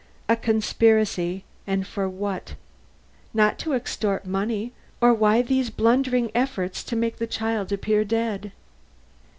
A conspiracy, and for what? Not to extort money, or why these blundering efforts to make the child appear dead?"